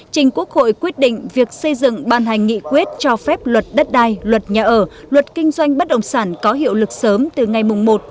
trình quốc hội quyết định việc xây dựng ban hành nghị quyết cho phép luật đất đai luật nhà ở luật kinh doanh bất đồng sản có hiệu lực sớm từ ngày một bảy hai nghìn hai mươi bốn